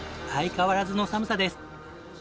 相変わらずの寒さです。